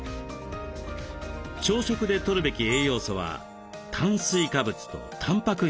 朝食でとるべき栄養素は炭水化物とたんぱく質です。